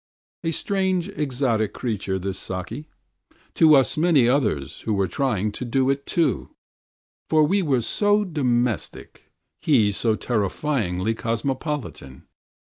A strange exotic creature, this Saki, to us many others who were trying to do it too. For we were so domestic, he so terrifyingly cosmopolitan.